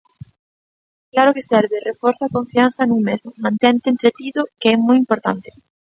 Claro que serve, reforza a confianza nun mesmo, mantente entretido que é moi importante.